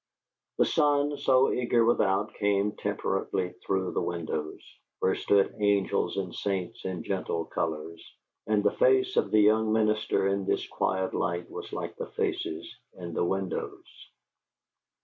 The sun, so eager without, came temperately through the windows, where stood angels and saints in gentle colors, and the face of the young minister in this quiet light was like the faces in the windows....